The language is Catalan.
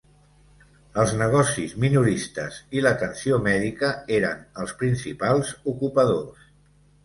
Els negocis minoristes i l'atenció mèdica eren els principals ocupadors.